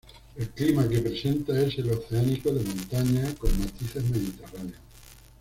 El clima que presenta es el oceánico de montaña con matices mediterráneos.